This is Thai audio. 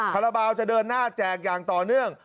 คาราบาลจะเดินหน้าแจกอย่างต่อเนื่อง